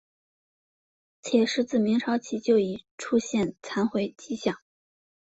铁狮自明朝起就已出现残毁迹象。